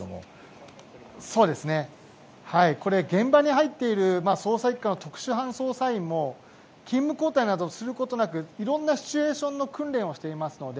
現場に入っている捜査１課の特殊班捜査員も勤務交代をすることなくいろいろなシチュエーションの訓練をしていますので